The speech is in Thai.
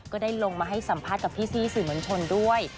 ก็ได้ลงมาให้สัมภาษณ์กับพี่ซี่สื่อมวลชนด้วย